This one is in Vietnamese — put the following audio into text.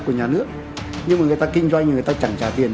có nơi làm có nơi còn bỏ trống